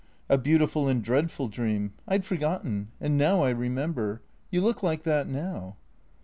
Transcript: A beautiful and dread ful dream, I'd forgotten; and now I remember. You look like that now."